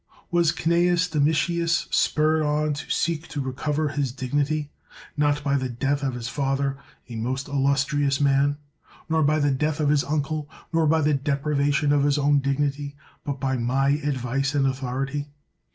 Was Cnseus Domitius spurred on to seek to recover his dignity, not by the death of 11—12 177 THE WORLD'S FAMOUS ORATIONS his father, a most illustrious man, nor by the death of his uncle, nor by the deprivation of his own dignity, but by my advice and authority?